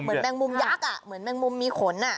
เหมือนแมงมุมยักษ์อ่ะเหมือนแมงมุมมีขนอ่ะ